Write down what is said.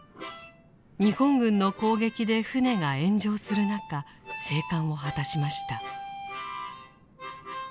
日本軍の攻撃で艦が炎上する中生還を果たしました。